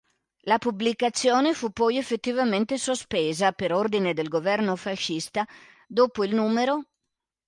La pubblicazione fu poi effettivamente sospesa, per ordine del governo fascista, dopo il n.